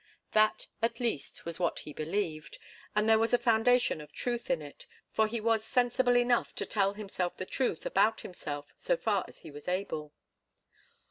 That, at least, was what he believed, and there was a foundation of truth in it, for he was sensible enough to tell himself the truth about himself so far as he was able.